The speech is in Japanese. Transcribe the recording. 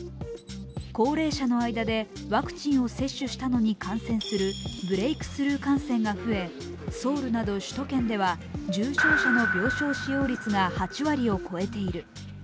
高齢者の間でワクチンを接種したのに感染するブレークスルー感染が増えソウルなど首都圏では重症者の病床使用率が８割を超えている。